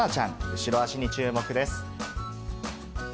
後ろ足に注目です。